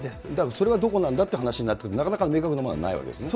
それはどこなんだという話になってくると、なかなか明確なものはないわけですね。